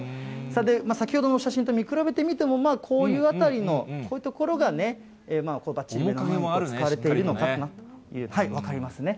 先ほどの写真と見比べてみても、こういうあたりの、こういうところがね、使われているのかなというのが分かりますね。